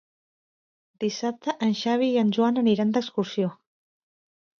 Dissabte en Xavi i en Joan aniran d'excursió.